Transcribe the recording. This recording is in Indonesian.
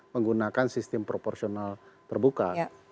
menggunakan sistem proporsional terbuka